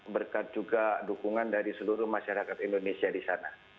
berkat juga dukungan dari seluruh masyarakat indonesia di sana